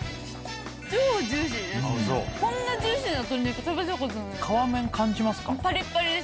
こんなジューシーな鶏肉食べたことない。